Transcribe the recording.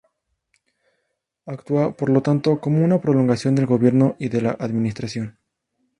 Actúa, por lo tanto, como una prolongación del Gobierno y de la administración.